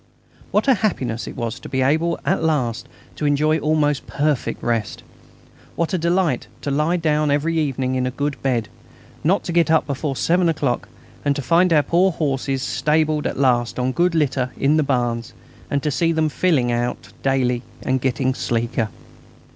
What a happiness it was to be able at last to enjoy almost perfect rest! What a delight to lie down every evening in a good bed; not to get up before seven o'clock; to find our poor horses stabled at last on good litter in the barns, and to see them filling out daily and getting sleeker!